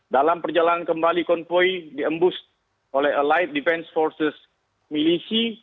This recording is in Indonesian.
dalam perjalanan kembali konvoy diembus oleh light defense forces milisi